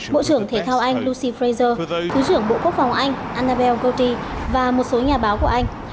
bộ trưởng thế thao anh lucy fraser thứ trưởng bộ quốc phòng anh annabel gauthier và một số nhà báo của anh